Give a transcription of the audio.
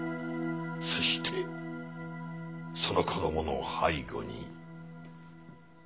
そしてその子供の背後に。